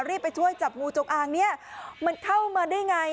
ไปช่วยจับงูจงอางเนี่ยมันเข้ามาได้ไง